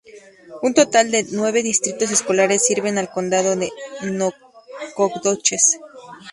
Un total de nueve distritos escolares sirven al Condado de Nacogdoches.